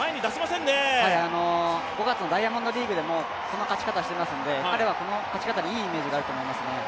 ５月のダイヤモンドリーグでもこの勝ち方をしてますから彼はこの勝ち方でいいイメージがあると思いますね。